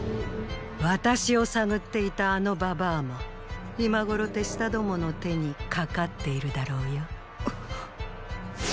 私を探っていたあのババァも今頃手下どもの手にかかっているだろうよ。！